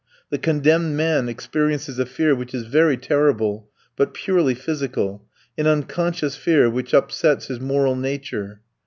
The condemned man experiences a fear which is very terrible, but purely physical an unconscious fear which upsets his moral nature.